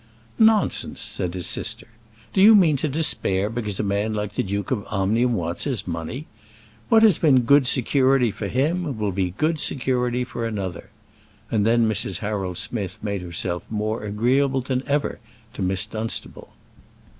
"Nonsense," said his sister. "Do you mean to despair because a man like the Duke of Omnium wants his money? What has been good security for him will be good security for another;" and then Mrs. Harold Smith made herself more agreeable than ever to Miss Dunstable.